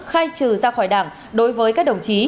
khai trừ ra khỏi đảng đối với các đồng chí